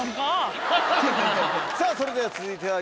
さぁそれでは続いては。